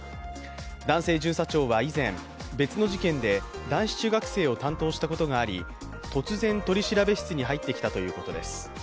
男性巡査部長は以前、別の事件で男子中学生を担当したことがあり、突然、取調室に入ってきたということです。